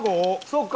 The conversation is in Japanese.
そうか。